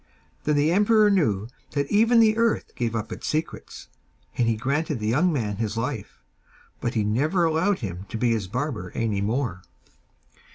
Then the emperor knew that even the earth gave up its secrets, and he granted the young man his life, but he never allowed him to be his barber any more.